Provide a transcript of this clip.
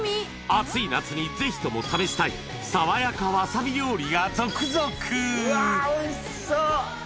暑い夏にぜひとも試したい爽やかわさび料理が続々わおいしそう。